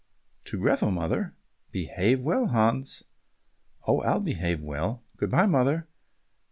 "To Grethel, mother." "Behave well, Hans." "Oh, I'll behave well. Good bye, mother."